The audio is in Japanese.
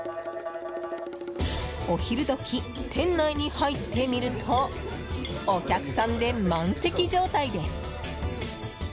お昼時、店内に入ってみるとお客さんで満席状態です。